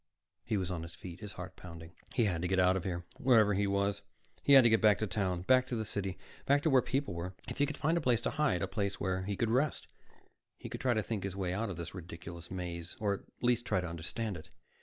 He was on his feet, his heart pounding. He had to get out of here, wherever he was. He had to get back to town, back to the city, back to where people were. If he could find a place to hide, a place where he could rest, he could try to think his way out of this ridiculous maze, or at least try to understand it.